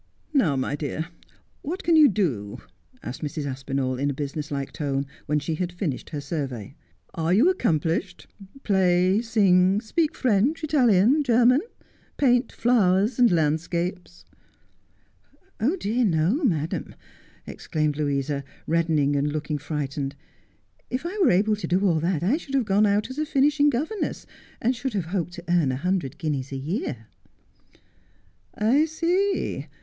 'Now, my dear, what can you do?' asked Mrs. Aspinall in a business like tone, when she had finished her survey. ' Are you accomplished — play, sing, speak French, Italian, German : paint flowers and landscapes 1 ' 'Oh, dear, no, madam,' exclaimed Louisa, reddening and looking frightened. ' If I were able to do all that I should have gone out as a finishing governess, and should have hoped to earn a hundred guineas a year.' ' I see.